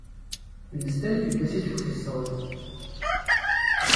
Une stèle fut placée sur ses cendres.